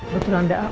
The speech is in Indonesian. betul anda al